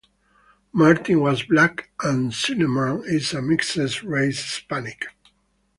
Martin was black and Zimmerman is a mixed-race Hispanic.